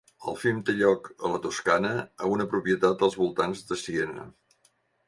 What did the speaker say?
El film té lloc a la Toscana a una propietat als voltants de Siena.